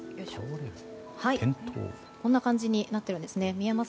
こんな感じになっているんです。